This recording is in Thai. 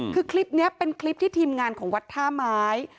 คือคลิปนี้เป็นคลิปที่ทีมงานของวัดท่าไม้